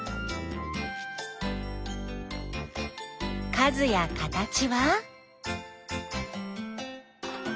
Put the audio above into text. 数や形は？